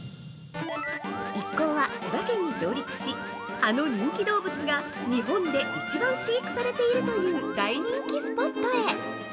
一行は千葉県に上陸しあの人気動物が日本で一番飼育されているという大人気スポットへ！